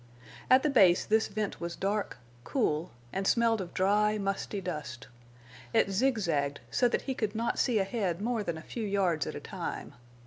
At the base this vent was dark, cool, and smelled of dry, musty dust. It zigzagged so that he could not see ahead more than a few yards at a time.